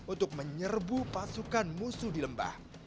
untuk menyerbu pasukan musuh di lembah